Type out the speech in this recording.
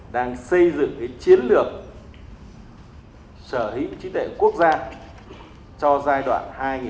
đang xây dựng cái chiến lược sở hữu trí tuệ quốc gia cho giai đoạn hai nghìn một mươi sáu hai nghìn hai mươi